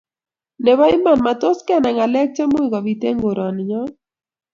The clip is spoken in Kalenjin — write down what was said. Nebo iman, matos kenai ngalek chemuch kobit eng karoninyo